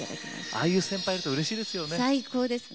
ああいう先輩ってうれしいですよね。